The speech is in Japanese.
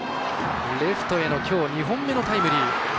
レフトへのきょう２本目のタイムリー。